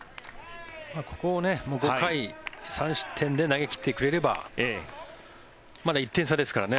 ここを５回３失点で投げ切ってくれればまだ１点差ですからね